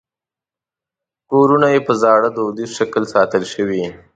کورونه یې په زاړه دودیز شکل ساتل شوي.